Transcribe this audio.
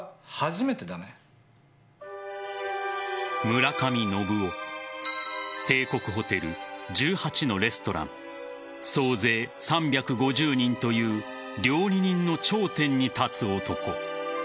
村上信夫帝国ホテル、１８のレストラン総勢３５０人という料理人の頂点に立つ男。